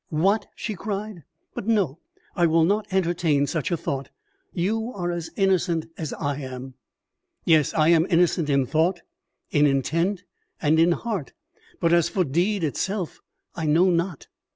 "What!" she cried. "But no, I will not entertain such a thought. You are as innocent as I am." "Yes, I am innocent in thought, in intent, and in heart; but as for the deed itself, I know not."